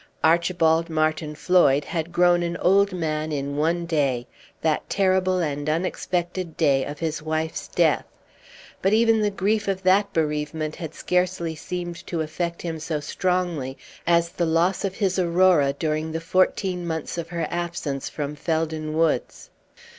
Archibald Martin Floyd had grown an old man in one day that terrible and unexpected day of his wife's death; but even the grief of that bereavement had scarcely seemed to affect him so strongly as the loss of his Aurora during the fourteen months of her absence from Felden Woods.